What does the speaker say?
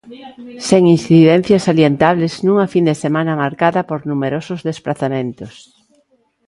Sen incidencias salientables nunha fin de semana marcada por numerosos desprazamentos.